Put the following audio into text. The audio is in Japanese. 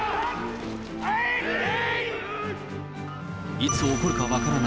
いつ起こるか分からない